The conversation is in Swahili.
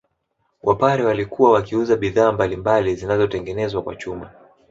Wapare walikuwa wakiuza bidhaa mbalimbali zinazotengenezwa kwa chuma